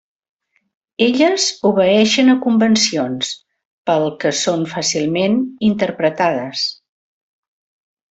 Elles obeeixen a convencions, pel que són fàcilment interpretades.